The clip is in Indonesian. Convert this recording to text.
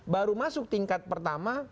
baru masuk tingkat pertama